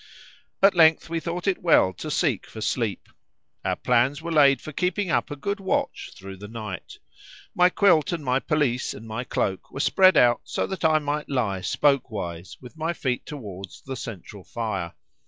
At length we thought it well to seek for sleep. Our plans were laid for keeping up a good watch through the night. My quilt and my pelisse and my cloak were spread out so that I might lie spokewise, with my feet towards the central fire.